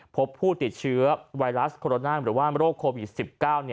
พบผู้ติดเชื้อไวรัสโคโรนาหรือว่าโรคโควิด๑๙